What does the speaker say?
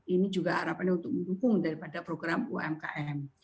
ini juga harapannya untuk mendukung daripada program umkm